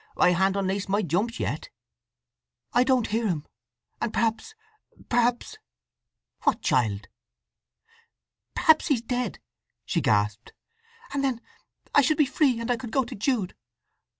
I han't unlaced my jumps yet." "I—don't hear him! And perhaps—perhaps—" "What, child?" "Perhaps he's dead!" she gasped. "And then—I should be free, and I could go to Jude!